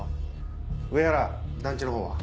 上原団地のほうは？